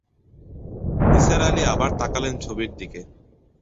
নিসার আলি আবার তাকালেন ছবির দিকে।